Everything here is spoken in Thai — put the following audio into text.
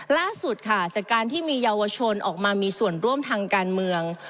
ล่าสุดค่ะจากการที่มีเยาวชนออกมามีส่วนร่วมทางการเมือง